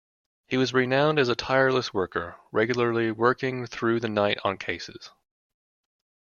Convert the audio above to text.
He was renowned as a tireless worker, regularly working through the night on cases.